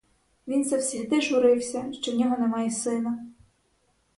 Він завсігди журився, що в нього нема сина.